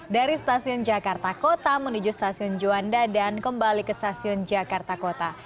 dari stasiun jakarta kota menuju stasiun juanda dan kembali ke stasiun jakarta kota